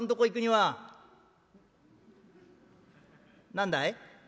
「何だい？」。